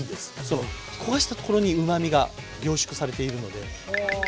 焦がしたところにうまみが凝縮されているので。